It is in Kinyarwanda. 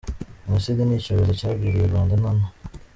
– Génocide ni icyorezo cyagwiriye u Rwanda naho